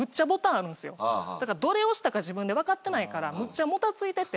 だからどれ押したか自分で分かってないからむっちゃもたついてて。